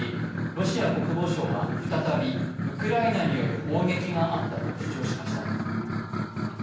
ロシア国防省は再び、ウクライナによる砲撃があったと主張しました。